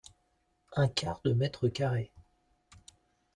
Un quart de mètre carré.